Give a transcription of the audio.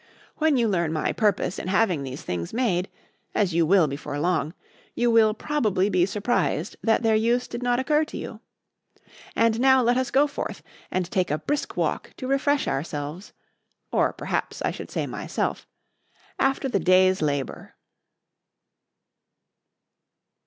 When you learn my purpose in having these things made as you will before long you will probably be surprised that their use did not occur to you. And now let us go forth and take a brisk walk to refresh ourselves (or perhaps I should say myself) after the day's labour.